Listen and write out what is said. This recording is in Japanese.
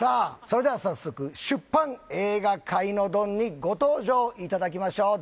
それでは早速出版・映画界のドンにご登場いただきましょう